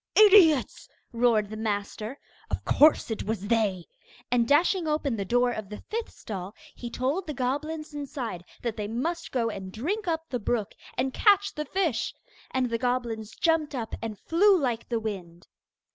'Idiots!' roared the master; 'of course it was they!' And dashing open the door of the fifth stall, he told the goblins inside that they must go and drink up the brook, and catch the fish. And the goblins jumped up, and flew like the wind.